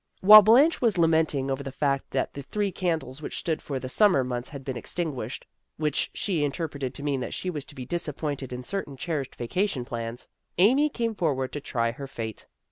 While Blanche was lamenting over the fact that the three candles which stood for the sum mer months had been extinguished, which she interpreted to mean that she was to be disap pointed in certain cherished vacation plans, Amy came forward to try her fate.